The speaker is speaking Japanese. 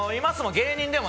芸人でも